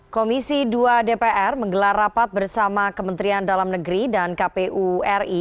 komisi dua dpr menggelar rapat bersama kementerian dalam negeri dan kpu ri